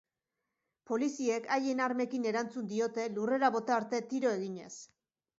Poliziek haien armekin erantzun diote lurrera bota arte tiro eginez.